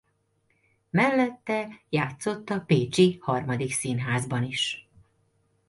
Mellette játszott a Pécsi Harmadik Színházban is.